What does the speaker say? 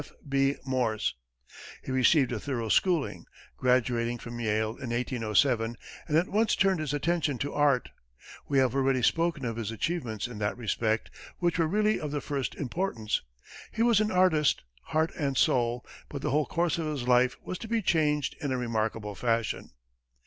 F. B. Morse. He received a thorough schooling, graduating from Yale in 1807, and at once turned his attention to art. We have already spoken of his achievements in that respect, which were really of the first importance. He was an artist, heart and soul, but the whole course of his life was to be changed in a remarkable fashion.